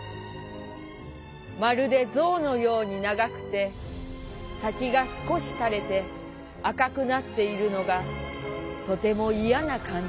まるでぞうのように長くて先がすこし垂れて赤くなっているのがとてもいやな感じです」。